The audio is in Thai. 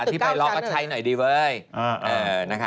พระพุทธรูปสูงเก้าชั้นหมายความว่าสูงเก้าชั้น